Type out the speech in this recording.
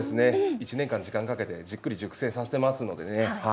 １年間、時間かけてじっくり熟成させてますのでね。